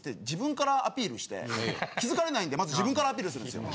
気づかれないんでまず自分からアピールするんですよ。